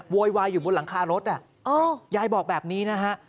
โวยวายอยู่บนหลังคารถยายบอกแบบนี้นะฮะ